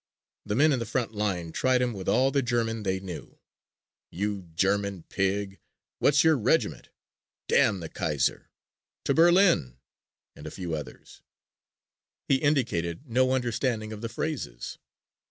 The men in the front line tried him with all the German they knew "You German pig," "what's your regiment?" "damn the Kaiser," "to Berlin," and a few others. He indicated no understanding of the phrases.